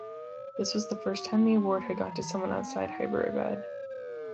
This was the first time the award had gone to someone outside Hyderabad.